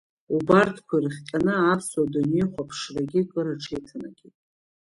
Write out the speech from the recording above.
Убарҭқәа ирыхҟьаны аԥсуа идунеихәаԥшрагьы кыр аҽеиҭанакит…